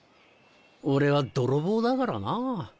俺は泥棒だからなぁ。